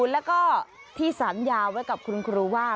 แล้วก็ที่สัญญาไว้กับคุณครูว่า